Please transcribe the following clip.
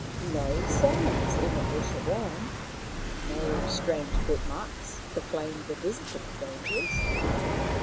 No signs in the bush around, no strange footmarks, pro claimed the visit of strangers.